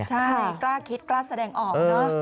ใช่กล้าคิดกล้าแสดงออกเนอะ